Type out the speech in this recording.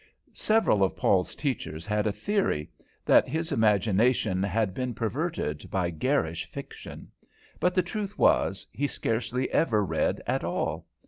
Several of Paul's teachers had a theory that his imagination had been perverted by garish fiction; but the truth was, he scarcely ever read at all.